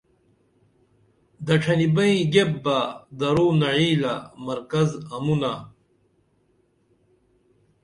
دڇھنی بیئں گیپ بہ درو نعیلہ مرکز امونہ